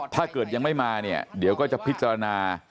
ถ้าเกิดยังไม่มาเนี่ยเดี๋ยวก็จะพิจารณา